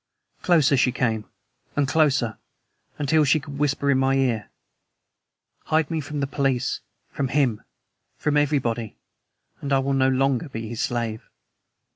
Closer she came, and closer, until she could whisper in my ear. "Hide me from your police, from HIM, from everybody, and I will no longer be his slave."